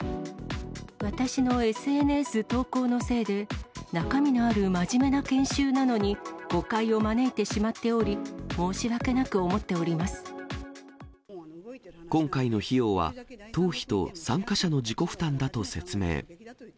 私のＳＮＳ投稿のせいで、中身のある真面目な研修なのに、誤解を招いてしまっており、今回の費用は、党費と参加者の自己負担だと説明。